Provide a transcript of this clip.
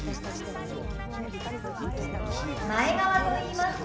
前川と言います。